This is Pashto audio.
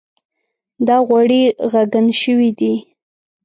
دا غوړي ږغن شوي دي.